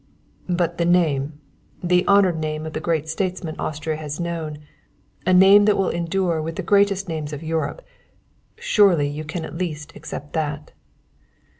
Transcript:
"But the name the honored name of the greatest statesman Austria has known a name that will endure with the greatest names of Europe surely you can at least accept that."